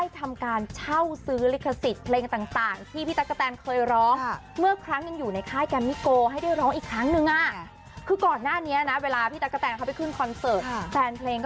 ต่อกันที่อีกหนึ่งลูกทุ่งสาวตัวแม่สุดปัง